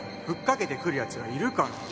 ふっかけてくるやつがいるから